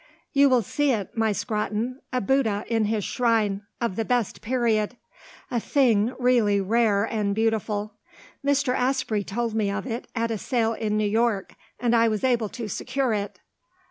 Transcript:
"You will see it, my Scrotton; a Bouddha in his shrine of the best period; a thing really rare and beautiful. Mr. Asprey told me of it, at a sale in New York; and I was able to secure it.